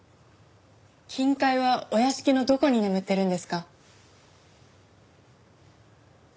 金塊はお屋敷のどこに眠ってるんですか？